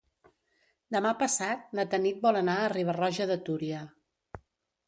Demà passat na Tanit vol anar a Riba-roja de Túria.